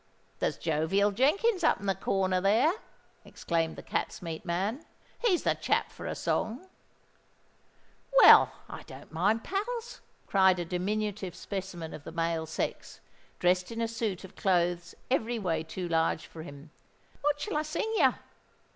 "There's Jovial Jenkins up in the corner there," exclaimed the cat's meat man. "He's the chap for a song." "Well, I don't mind, pals," cried a diminutive specimen of the male sex, dressed in a suit of clothes every way too large for him. "What shall I sing yer?